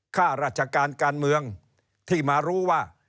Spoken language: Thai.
ข้าราชการการเมืองที่มารู้ว่า